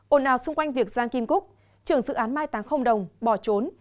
ồn ào xung quanh việc giang kim cúc trưởng dự án mai táng không đồng bỏ trốn